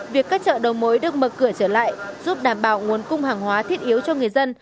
việc các chợ đầu mối được mở cửa trở lại giúp đảm bảo nguồn cung hàng hóa thiết yếu cho người dân